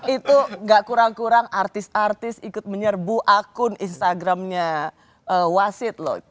itu gak kurang kurang artis artis ikut menyerbu akun instagramnya wasit loh